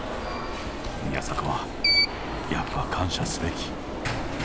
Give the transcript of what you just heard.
宮迫はやっぱ感謝すべき。